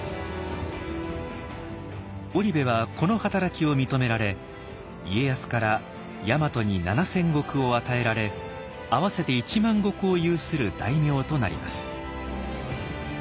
織部はこの働きを認められ家康から大和に７，０００石を与えられ合わせて１万石を有する大名となります。